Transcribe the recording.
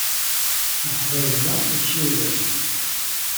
Mṛeḥba yella, učči ulac.